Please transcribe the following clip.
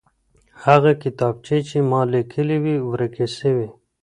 هغه کتابچې چي ما ليکلې وې ورکې سوې.